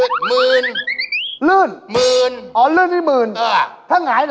เขาเรียกมืดอะไร